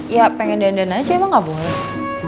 ya pengen dandan aja emang gak boleh